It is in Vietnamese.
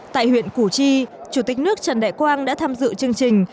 tại huyện củ chi chủ tịch nước trần đại quang đã tham dự chương trình